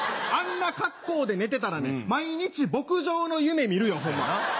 あんな格好で寝てたらね毎日牧場の夢見るよホンマ。